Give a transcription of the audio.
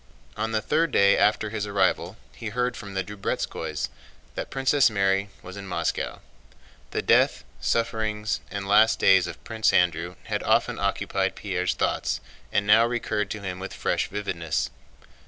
On the third day after his arrival he heard from the Drubetskóys that Princess Mary was in Moscow. The death, sufferings, and last days of Prince Andrew had often occupied Pierre's thoughts and now recurred to him with fresh vividness.